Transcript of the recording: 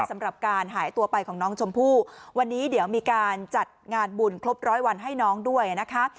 สำหรับการหายตัวไปของน้องชมพู่วันนี้เดี๋ยวมีการจัดงานบุญครบร้อยวันให้น้องด้วยนะคะ